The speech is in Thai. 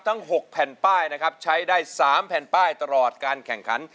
๖แผ่นป้ายนะครับใช้ได้๓แผ่นป้ายตลอดการแข่งขัน